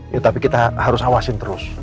ya tapi kita harus awasin terus